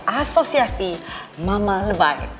asosiasi mama lebay